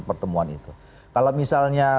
pertemuan itu kalau misalnya